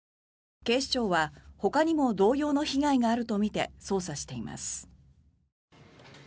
警視庁はほかにも同様の被害があるとみて捜査しています。